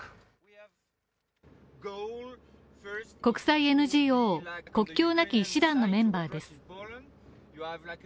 国際ＮＧＯ、国境なき医師団のメンバーです。